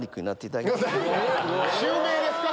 襲名ですか！